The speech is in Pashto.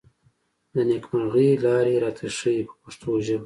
د نېکمرغۍ لارې راته ښيي په پښتو ژبه.